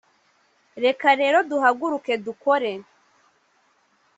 reka rero duhaguruke dukore,